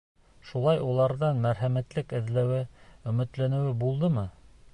Шулай уларҙан мәрхәмәтлек эҙләүе, өмөтләнеүе булдымы.